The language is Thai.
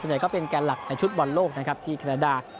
ส่วนใหญ่ก็เป็นแกนหลักในชุดบอลโลกนะครับที่แคนาดา